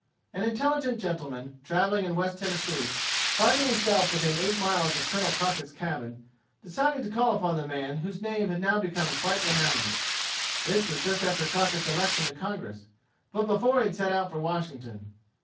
An intelligent gentleman, travelling in West Tennessee, finding himself within eight miles of Colonel Crockett's cabin, decided to call upon the man whose name had now become quite renowned. This was just after Crockett's election to Congress, but before he had set out for Washington.